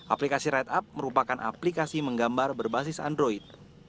aplikasi rideup merupakan aplikasi menggambar berbasis android